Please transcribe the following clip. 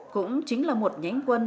cũng chính là một nhánh quân